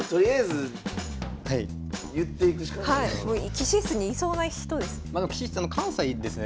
棋士室にいそうな人ですね。